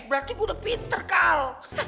berarti gue udah pinter kang